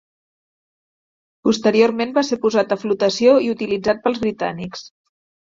Posteriorment va ser posat a flotació i utilitzat pels britànics.